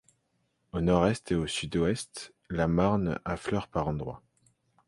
Au nord-est et au sud-ouest, la marne affleure par endroits.